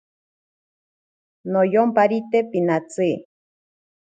Noyomparite pinatsi.